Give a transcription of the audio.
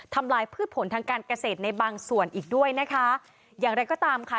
ทำลายพืชผลทางการเกษตรในบางส่วนอีกด้วยนะคะอย่างไรก็ตามค่ะ